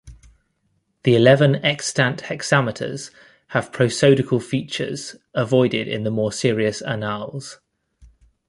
The eleven extant hexameters have prosodical features avoided in the more serious "Annales".